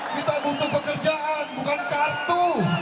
kita butuh pekerjaan bukan kartu